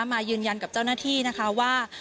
มายืนยันกับเจ้าหน้าที่นะคะว่า